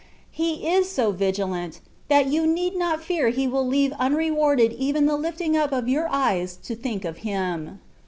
He. is so vigilant, that you need not fear He will leave unrewarded even the lifting up of your eyes to think of Him.